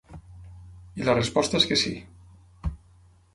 I la resposta és que sí.